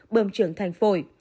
bơm trưởng thành phổi